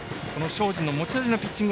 庄司の持ち味のピッチング